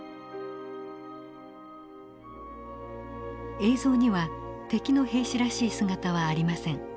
映像には敵の兵士らしい姿はありません。